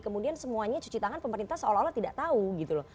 kemudian semuanya cuci tangan pemerintah seolah olah tidak tahu gitu loh